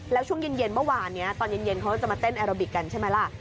แล้วช่วงเย็นเมื่อวานนี้ตอนเย็นเขาจะมาเต้นแอโรบิกกันใช่ไหมล่ะ